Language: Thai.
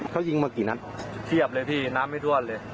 เขายิงมากี่นัดเทียบเลยพี่น้ำไม่ทั่วเลย